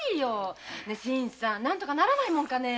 新さん何とかならないもんかねぇ。